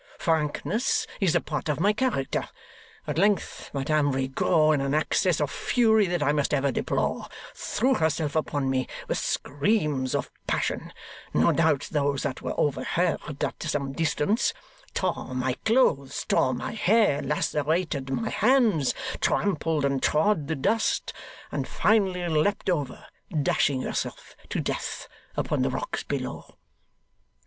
Frankness is a part of my character. At length, Madame Rigaud, in an access of fury that I must ever deplore, threw herself upon me with screams of passion (no doubt those that were overheard at some distance), tore my clothes, tore my hair, lacerated my hands, trampled and trod the dust, and finally leaped over, dashing herself to death upon the rocks below.